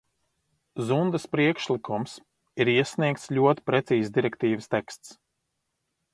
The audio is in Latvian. Zundas priekšlikums, ir iesniegts ļoti precīzs direktīvas teksts.